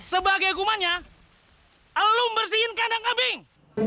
sebagai hukumannya allah bersihin kandang kambing